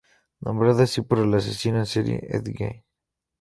Nombrada así por el asesino en serie Ed Gein.